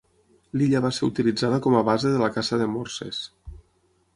L'illa va ser utilitzada com a base de la caça de morses.